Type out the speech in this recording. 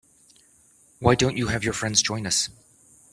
Why don't you have your friends join us?